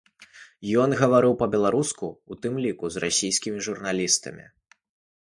Ён гаварыў па-беларуску, у тым ліку і з расійскімі журналістамі.